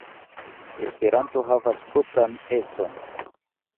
Esperanto havas propran econ.